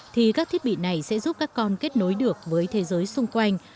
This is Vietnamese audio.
thì các thiết bị này sẽ giúp các con kết nối được với thế giới xung quanh